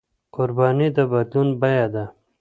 قرباني د بدلون بيه ده.